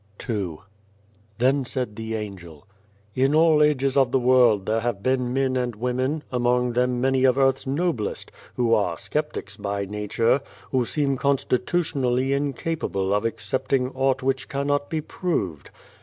" 75 II THEN said the Angel : "In all ages of the world there have been men and women among them many of earth's noblest who are sceptics by nature, who seem constitutionally incapable of accepting aught which cannot be proved.